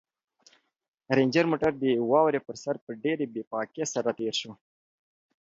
رنجر موټر د واورې پر سر په ډېرې بې باکۍ سره تېر شو.